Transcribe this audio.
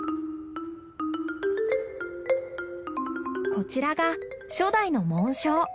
こちらが初代の紋章。